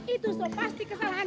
itu pasti kesalahan